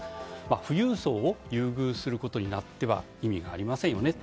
富裕層を優遇することになっては意味がありませんよね